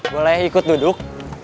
boleh ikut duduk